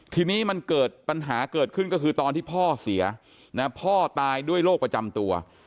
ทีนี้มันเกิดปัญหาเกิดขึ้นก็คือตอนที่พ่อเสียพ่อตายด้วยโรคประจำตัว